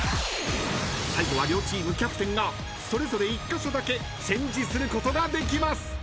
［最後は両チームキャプテンがそれぞれ１カ所だけチェンジすることができます］